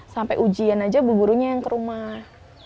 sampai ujian aja buburunya yang ke rumah